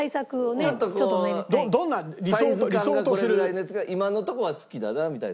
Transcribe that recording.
ちょっとこうサイズ感がこれぐらいのやつが今のところは好きだなみたいな。